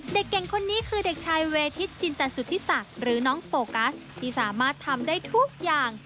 เด็กเก่งคนนี้คือเด็กชายเวทิศจินตสุธิศักดิ์หรือน้องโฟกัสที่สามารถทำได้ทุกอย่าง